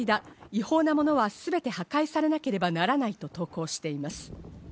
違法なものは全て破壊されなければならないと投稿しています。